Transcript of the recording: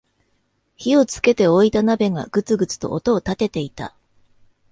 火をつけておいた鍋がグツグツと音を立てていた